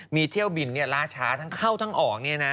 มีเที่ยวบินล่าช้าทั้งเข้าทั้งออก